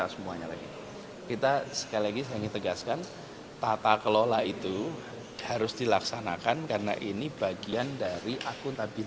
semua seluruhnya jadi sepuluhnya itu akan dipanggil